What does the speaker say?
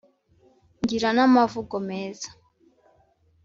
Ngira n'amavugo meza